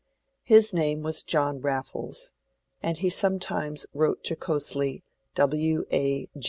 His name was John Raffles, and he sometimes wrote jocosely W.A.